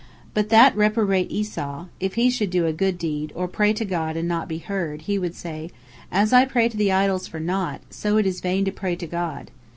But that reprobate Esau, if he should do a good deed, or pray to God and not be heard, he would say, 'As I pray to the idols for naught, so it is in vain to pray to God.'"